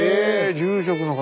⁉住職の方。